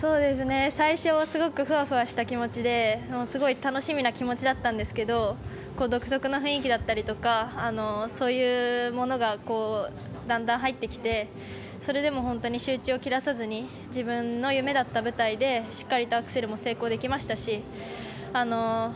最初は、すごくふわふわした気持ちですごい楽しみな気持ちだったんですけど独特な雰囲気だったりとかそういうものがだんだん入ってきてそれでも本当に集中を切らさずに自分の夢だった舞台でしっかりとアクセルも成功できましたし